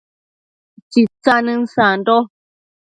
Tsitsanën sando